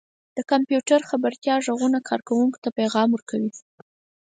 • د کمپیوټر خبرتیا ږغونه کاروونکو ته پیغام ورکوي.